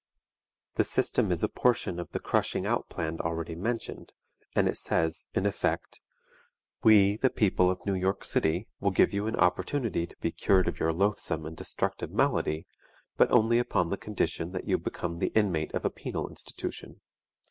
The system is a portion of the crushing out plan already mentioned, and it says, in effect, "We (the people of New York City) will give you an opportunity to be cured of your loathsome and destructive malady, but only upon the condition that you become the inmate of a penal institution.